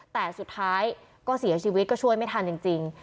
แต่สุดท้ายก็เสียชีวิตก็ช่วยไม่ทันจริง